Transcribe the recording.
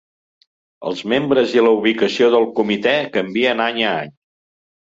Els membres i la ubicació del comitè canvien any a any.